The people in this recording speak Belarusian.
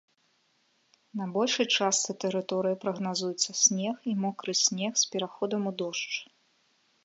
На большай частцы тэрыторыі прагназуецца снег і мокры снег з пераходам у дождж.